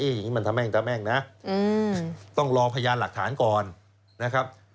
อย่างนี้มันตะแม่งตะแม่งนะต้องรอพยานหลักฐานก่อนนะครับ